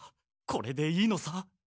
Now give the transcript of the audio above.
これでいいのさ。